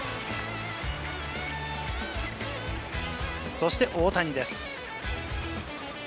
そして大谷です。